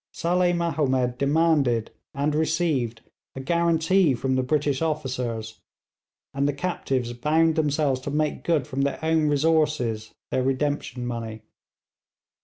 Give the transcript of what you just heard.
Saleh Mahomed demanded and received a guarantee from the British officers; and the captives bound themselves to make good from their own resources their redemption money.